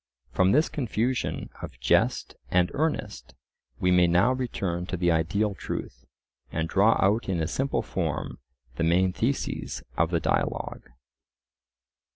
From this confusion of jest and earnest, we may now return to the ideal truth, and draw out in a simple form the main theses of the dialogue.